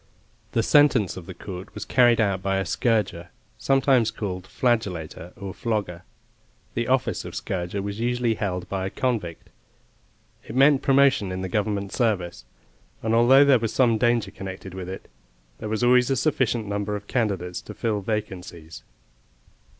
The sentence of the court was carried out by a scourger, sometimes called flagellator, or flogger. The office of scourger was usually held by a convict; it meant promotion in the Government service, and although there was some danger connected with it, there was always a sufficient number of candidates to fill vacancies.